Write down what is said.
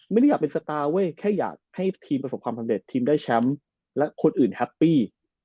ไม่ได้อยากเป็นสตาร์เว้ยแค่อยากให้ทีมประสบความสำเร็จทีมได้แชมป์และคนอื่นแฮปปี้